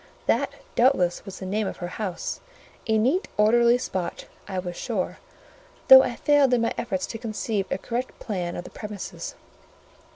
that, doubtless, was the name of her house: a neat orderly spot, I was sure; though I failed in my efforts to conceive a correct plan of the premises.